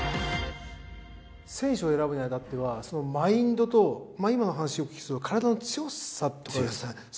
選手を選ぶにあたってはそのマインドと今の話を聞くと体の強さとかですかね？